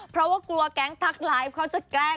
เพราะว่ากลัวแก๊งทักไลฟ์เขาจะแกล้ง